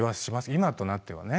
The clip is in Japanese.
今となってはね。